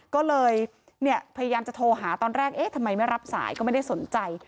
ก็เลยพยายามจะโทรหาตอนแรกเอ๊ะทำไมไม่รับสายก็ไม่ได้สนใจ